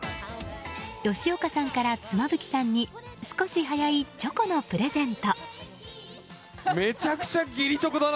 吉岡さんから妻夫木さんに少し早いチョコのプレゼント。